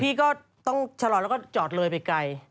พี่ก็ต้องชะลอแล้วก็จอดเลยไปไกล